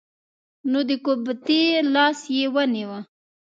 نو د قبطي لاس یې ونیوه.